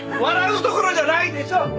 笑うところじゃないでしょ！